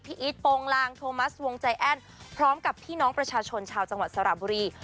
อีทโปรงลางโทมัสวงใจแอ้นพร้อมกับพี่น้องประชาชนชาวจังหวัดสระบุรี